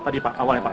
tadi pak awalnya pak